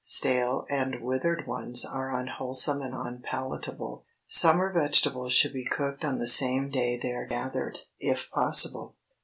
Stale and withered ones are unwholesome and unpalatable. Summer vegetables should be cooked on the same day they are gathered, if possible.